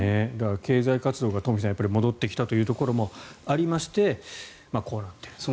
経済活動が、東輝さん戻ってきたというところもありましてこうなっていると。